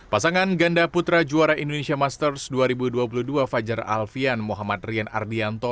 pasangan ganda putra juara indonesia masters dua ribu dua puluh dua fajar alfian muhammad rian ardianto